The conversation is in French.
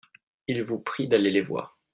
Ils vous prient d'aller les voir.